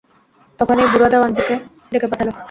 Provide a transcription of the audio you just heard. তখনই বুড়ো দেওয়ানজিকে ডেকে পাঠালে।